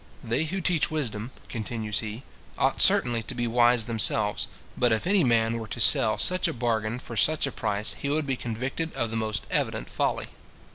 "They who teach wisdom," continues he, "ought certainly to be wise themselves; but if any man were to sell such a bargain for such a price, he would be convicted of the most evident folly."